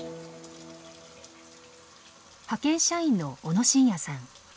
派遣社員の小野真也さん。